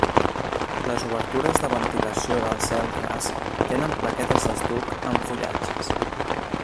Les obertures de ventilació del cel ras tenen plaquetes d'estuc amb fullatges.